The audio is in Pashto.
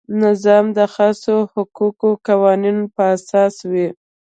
نظام د خاصو حقوقي قوانینو په اساس وي.